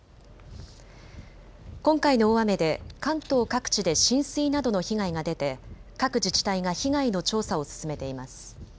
今回の大雨で関東各地で浸水などの被害が出て各自治体が被害の調査を進めています。